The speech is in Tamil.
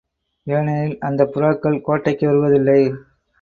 ஏனெனில் அந்தப் புறாக்கள் கோட்டைக்கு வருவதில்லை.